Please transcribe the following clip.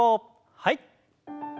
はい。